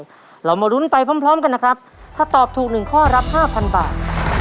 เรามาลุ้นไปพร้อมพร้อมกันนะครับถ้าตอบถูกหนึ่งข้อรับ๕๐๐บาท